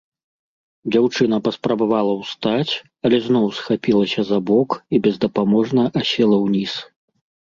Дзяўчына паспрабавала ўстаць, але зноў схапілася за бок і бездапаможна асела ўніз.